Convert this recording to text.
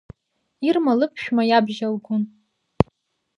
Ирма лыԥшәма иабжьалгон.